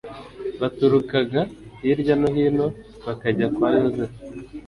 baturukaga hirya no hino bakajya kwa yozefu